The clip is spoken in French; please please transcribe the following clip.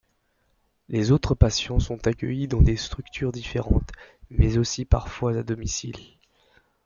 Les autres patients sont accueillis dans des structures différentes, mais aussi parfois à domicile.